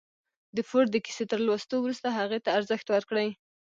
د فورډ د کيسې تر لوستو وروسته هغې ته ارزښت ورکړئ.